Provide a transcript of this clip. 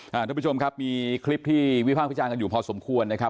ท่านผู้ชมครับมีคลิปที่วิพากษ์วิจารณ์กันอยู่พอสมควรนะครับ